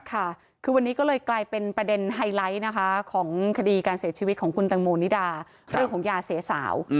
ค่ะคือวันนี้ก็เลยกลายเป็นประเด็นไฮไลท์นะคะของคดีการเสียชีวิตของคุณตังโมนิดาเรื่องของยาเสียสาว